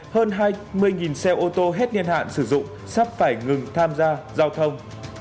hơn hai mươi xe ô tô hết niên hạn sử dụng sắp phải ngừng tham gia giao thông